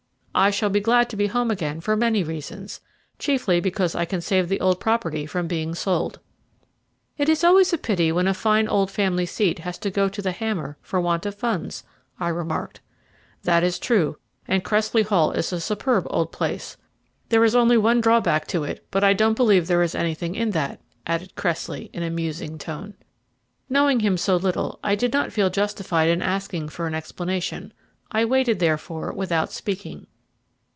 I shall be glad to be home again for many reasons, chiefly because I can save the old property from being sold." "It is always a pity when a fine old family seat has to go to the hammer for want of funds," I remarked. "That is true, and Cressley Hall is a superb old place. There is only one drawback to it; but I don't believe there is anything in that," added Cressley in a musing tone. Knowing him so little I did not feel justified in asking for an explanation. I waited, therefore, without speaking.